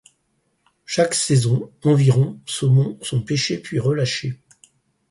Chaque saison, environ saumons sont pêchés puis relâchés.